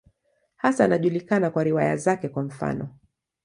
Hasa anajulikana kwa riwaya zake, kwa mfano.